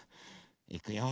いくよ。